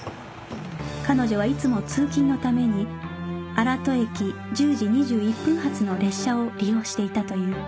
彼女はいつも通勤のために荒砥駅１０時２１分発の列車を利用していたという